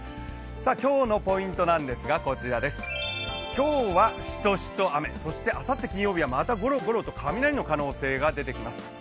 今日のポイントなんですが今日はシトシト雨、そして、あさって金曜日はまたゴロゴロと雷の可能性が出てきます。